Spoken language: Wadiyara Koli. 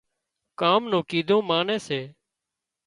ڪام نون ڪيڌون ماني سي